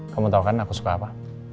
kamu tau kan aku suka apa